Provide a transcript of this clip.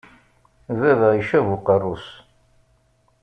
Baba icab uqerru-s.